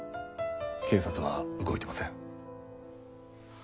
警察は動いてません。